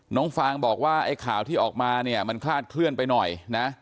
ฟางบอกว่าไอ้ข่าวที่ออกมาเนี่ยมันคลาดเคลื่อนไปหน่อยนะ